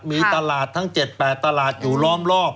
มีตลาดทั้ง๗๘ตลาดอยู่ล้อมรอบ